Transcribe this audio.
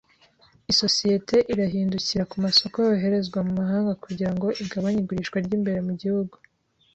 Isosiyete irahindukira ku masoko yoherezwa mu mahanga kugira ngo igabanye igurishwa ry’imbere mu gihugu.